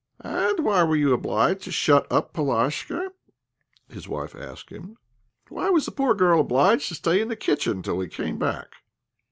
"And why were you obliged to shut up Polashka?" his wife asked him. "Why was the poor girl obliged to stay in the kitchen till we came back?"